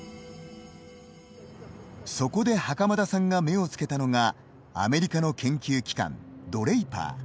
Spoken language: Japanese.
そこで袴田さんが目をつけたのがアメリカの研究機関・ドレイパー。